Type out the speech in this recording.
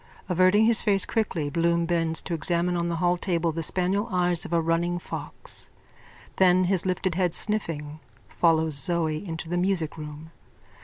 Averting his face quickly Bloom bends to examine on the halltable the spaniel eyes of a running fox: then, his lifted head sniffing, follows Zoe into the musicroom.